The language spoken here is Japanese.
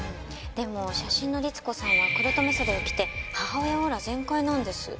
でも写真の律子さんは黒留め袖を着て母親オーラ全開なんです。